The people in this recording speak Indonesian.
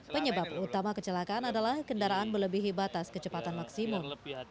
penyebab utama kecelakaan adalah kendaraan melebihi batas kecepatan maksimum